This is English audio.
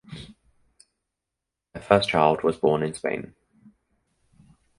Their first child was born in Spain.